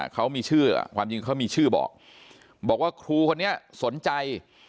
เขามีชื่อความจริงเขามีชื่อบอกบอกว่าครูคนนี้สนใจ